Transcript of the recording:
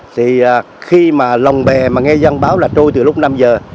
thì khi mà lồng bè mà nghe dân báo là trôi từ lúc năm giờ